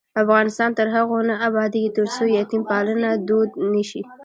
افغانستان تر هغو نه ابادیږي، ترڅو یتیم پالنه دود نشي.